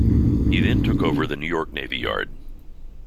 He then took over the New York Navy Yard.